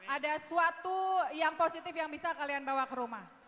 ada suatu yang positif yang bisa kalian bawa ke rumah